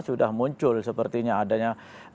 sudah muncul sepertinya adanya